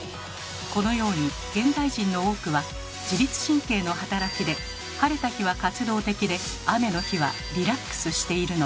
このように現代人の多くは自律神経の働きで晴れた日は活動的で雨の日はリラックスしているのです。